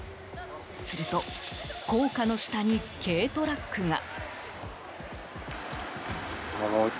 すると高架の下に軽トラックが。